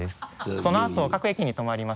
そのあと各駅に止まります